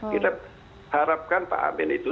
kita harapkan pak amin itu